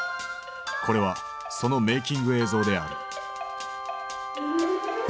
これはそのメイキング映像である。